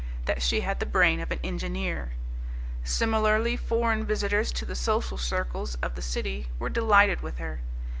that she had the brain of an engineer. Similarly foreign visitors to the social circles of the city were delighted with her.